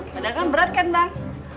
padahal kan berat kan bang